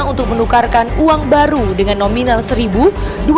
untuk menukarkan uang baru dengan nominal seribu dua ribu hingga dua puluh rupiah